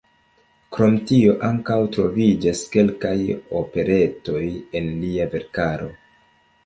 Krom tio ankaŭ troviĝas kelkaj operetoj en lia verkaro.